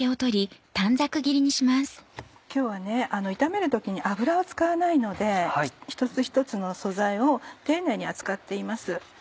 今日は炒める時に油を使わないので一つ一つの素材を丁寧に扱っています。